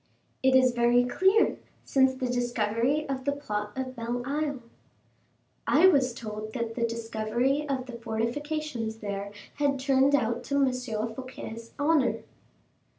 "It is very clear, since the discovery of the plot of Belle Isle." "I was told that the discovery of the fortifications there had turned out to M. Fouquet's honor."